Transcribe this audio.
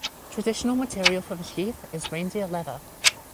Traditional material for the sheath is reindeer leather.